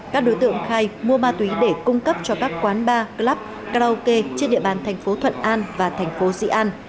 các đối tượng khai mua ma túy để cung cấp cho các quán bar club karaoke trên địa bàn tp thuận an và tp dĩ an